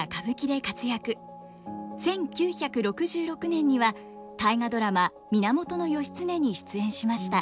１９６６年には「大河ドラマ源義経」に出演しました。